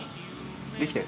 できたよ